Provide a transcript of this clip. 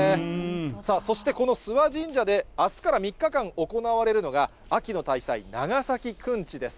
さあそして、この諏訪神社であすから３日間行われるのが、秋の大祭、長崎くんちです。